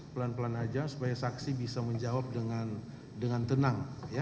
pelan pelan aja supaya saksi bisa menjawab dengan tenang